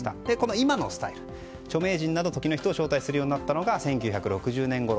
今のスタイル、著名人や今を時めく人を招待するようになったのは１９６０年ごろ。